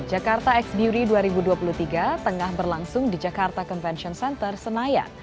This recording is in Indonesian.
jakarta x beauty dua ribu dua puluh tiga tengah berlangsung di jakarta convention center senayan